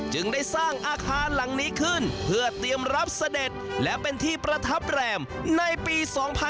จึงได้สร้างอาคารหลังนี้ขึ้นเพื่อเตรียมรับเสด็จและเป็นที่ประทับแรมในปี๒๕๕๙